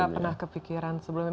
enggak pernah kepikiran sebelumnya